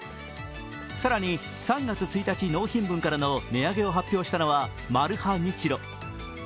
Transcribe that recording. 更に３月１日納品分からの値上げを発表したのはマルハニチロ。